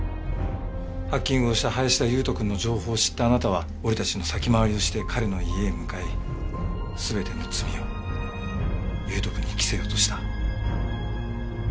ハッキングをした林田悠斗くんの情報を知ったあなたは俺たちの先回りをして彼の家へ向かい全ての罪を悠斗くんに着せようとした。